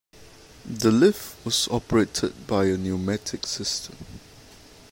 The lift was operated by a pneumatic system.